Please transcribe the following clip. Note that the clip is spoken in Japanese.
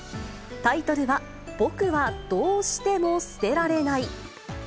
タイトルは、僕はどうしても捨てられない。